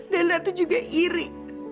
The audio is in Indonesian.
dan ratu juga iri